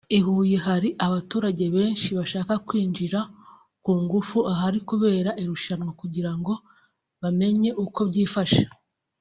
i Huye hari abaturage benshi bashaka kwinjira ku ngufu ahari kubera irushanwa kugira ngo bamenye uko byifashe